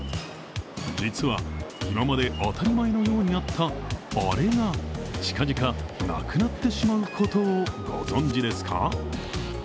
実は、今まで当たり前のようにあったあれが、近々なくなってしまうことをご存じですか？